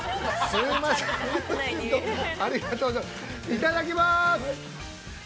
◆いただきますね。